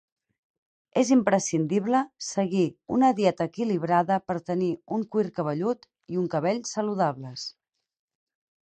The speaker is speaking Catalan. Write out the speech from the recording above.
És imprescindible seguir una dieta equilibrada per tenir un cuir cabellut i un cabell saludables.